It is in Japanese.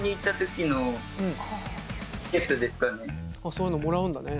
そういうのもらうんだね。